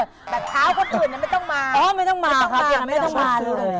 แบตเท้าเข้าตื่นยังไม่ต้องมา